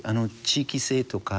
地域性とか。